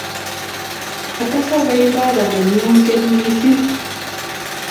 kata sopei baba nenyuu keny mising.